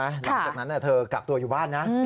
หลังจากนั้นเธอกักตัวอยู่บ้านนะ